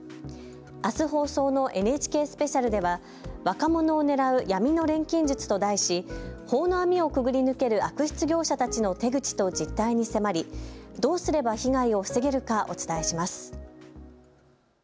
あす放送のＮＨＫスペシャルでは若者を狙う闇の錬金術と題し法の網をくぐり抜ける悪質業者たちの手口と実態に迫りどうすれば被害を防げるかお伝えします。